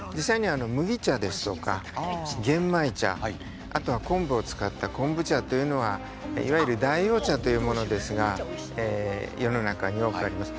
麦茶、あとは玄米茶あとは、昆布を使った昆布茶というのはいわゆる代用茶というものですが世の中に大きくあります。